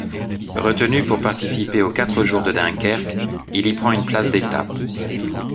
Retenu pour participer aux Quatre Jours de Dunkerque, il y prend une place d'étape.